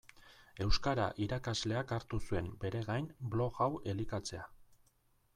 Euskara irakasleak hartu zuen bere gain blog hau elikatzea.